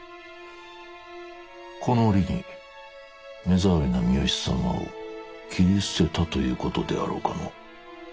この折に目障りな三好様を切り捨てたということであろうかのう。